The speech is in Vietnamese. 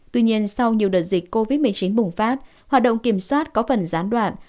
tuy nhiên sau nhiều đợt dịch covid một mươi chín bùng phát hoạt động kiểm soát có phần gián đoạn